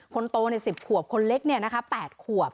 คนโตใน๑๐ขวบคนเล็ก๘ขวบ